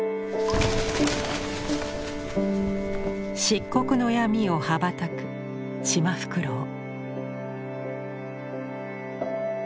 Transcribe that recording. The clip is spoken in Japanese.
漆黒の闇を羽ばたく「シマフクロウ」。